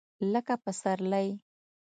لکه سپرلی !